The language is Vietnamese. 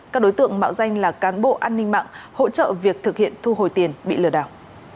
các đối tượng mạo danh là cán bộ an ninh mạng hỗ trợ việc thực hiện thu hồi tiền bị lừa đảo